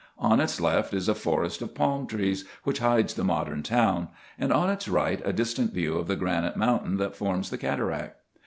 On its left is a forest of palm trees, which hides the modern town ; and on its right a distant view of the granite mountain that forms the cataract.